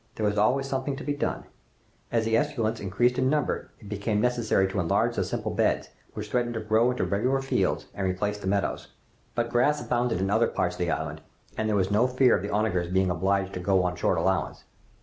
There was always something to be done. As the esculents increased in number, it became necessary to enlarge the simple beds, which threatened to grow into regular fields and replace the meadows. But grass abounded in other parts of the island, and there was no fear of the onagers being obliged to go on short allowance.